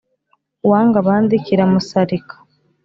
Uwanga abandi kiramusarika